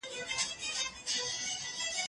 د زکات ورکول ستاسو مال ډېروي.